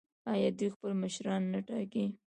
آیا دوی خپل مشران نه ټاکي؟